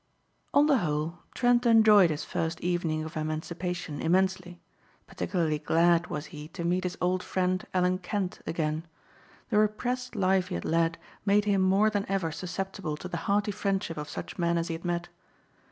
On the whole, Trent enjoyed his first evening of emancipation immensely. Particularly glad was he to meet his old friend, Alan Kent, again. The repressed life he had led made him more than ever susceptible to the hearty friendship of such men as he had met.